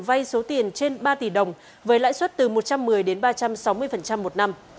vay số tiền trên ba tỷ đồng với lãi suất từ một trăm một mươi đến ba trăm sáu mươi một năm